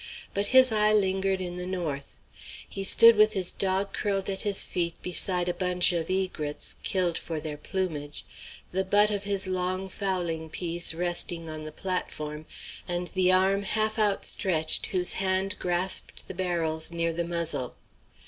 But his eye lingered in the north. He stood with his dog curled at his feet beside a bunch of egrets, killed for their plumage, the butt of his long fowling piece resting on the platform, and the arm half outstretched whose hand grasped the barrels near the muzzle.